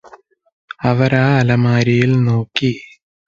അവരാ അലമാരിയില് നോക്കി